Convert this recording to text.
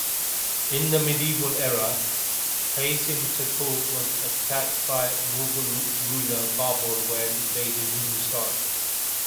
In the medieval era, Hastinapur was attacked by Mughal ruler Babur when invading Hindustan.